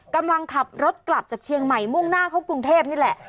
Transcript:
กำลังขับรถกลับจากเชียงใหม่มุ่งหน้าเข้ากรุงเทพนี่แหละ